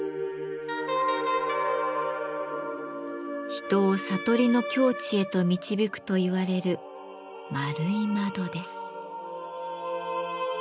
人を悟りの境地へと導くといわれる円い窓です。